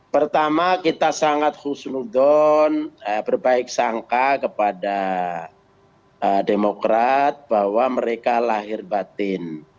pertama kita sangat husnudon berbaik sangka kepada demokrat bahwa mereka lahir batin